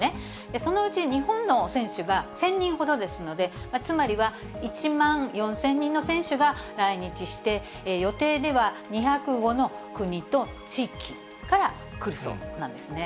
そのうち日本の選手は１０００人ほどですので、つまりは１万４０００人の選手が来日して、予定では２０５の国と地域から来るそうなんですね。